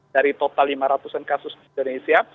dari total lima ratus an kasus di indonesia